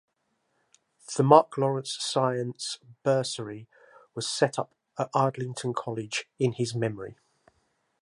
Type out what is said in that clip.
The Mark Lawrence Science Bursary was set up at Ardingly College in his memory.